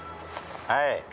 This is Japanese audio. はい？